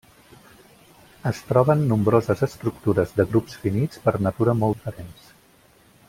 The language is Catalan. Es troben nombroses estructures de grups finits per natura molt diferents.